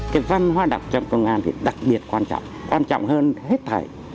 cái văn hóa đọc trong công an thì đặc biệt quan trọng quan trọng hơn hết thầy